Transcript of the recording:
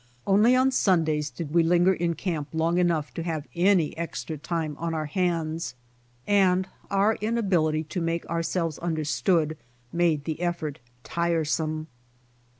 Only on Sundays did we linger in camp long enough to have any extra timie on our hands, and our inability to make ourselves understood made the effort tiresome.